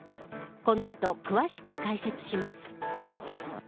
この後、詳しく解説します。